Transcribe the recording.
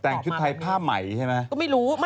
แต่งชุดไทยผ้าใหม่ใช่ไหม